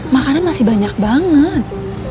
makanan masih banyak banget